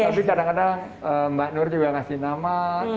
tapi kadang kadang mbak nur juga yang kasih nama